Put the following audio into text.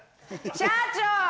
社長！